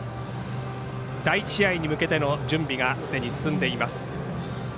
第１試合に向けての準備がすでに進んでいます。